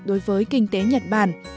đối với kinh tế nhật bản